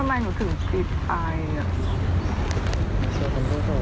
ไม่ใช่คำถูกสอบ